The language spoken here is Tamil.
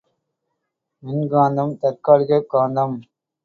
மின்காந்தம் தற்காலிகக் காந்தம்.